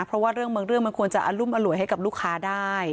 เพราะว่าเรื่องบางเรื่องมันควรจะอรุมอร่วยให้กับลูกค้าได้